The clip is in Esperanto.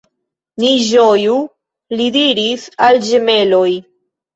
Ni ĝoju, li diris al ĝemeloj.